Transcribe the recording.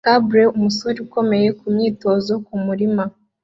Cable umusore ukomeye kumyitozo kumurima